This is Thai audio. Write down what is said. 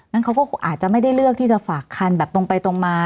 นั้นเขาก็อาจจะไม่ได้เลือกที่จะฝากคันแบบตรงไปตรงมา